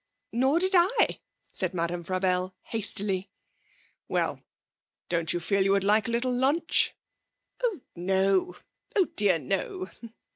'Nor did I,' said Madame Frabelle hastily. 'Well, don't you feel that you would like a little lunch?' 'Oh no oh dear, no.